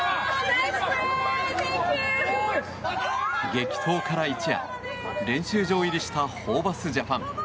激闘から一夜、練習場入りしたホーバスジャパン。